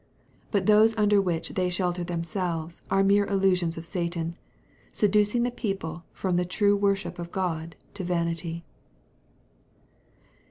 But those under which they shelter themselves are mere illusions of Satan, seducing the people from the true worship of God to vanity.